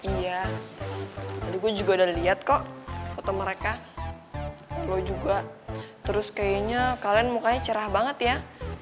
iya tadi gue juga udah lihat kok foto mereka lo juga terus kayaknya kalian mukanya cerah banget ya